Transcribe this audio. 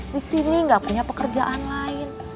di sini nggak punya pekerjaan lain